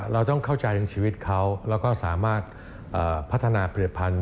เราต้องเข้าใจถึงชีวิตเขาแล้วก็สามารถพัฒนาผลิตภัณฑ